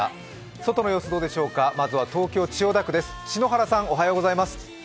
外の様子どうでしょうか、まずは東京・千代田区です。